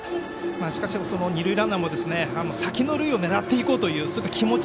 しかし、二塁ランナーも先の塁を狙っていこうという気持ち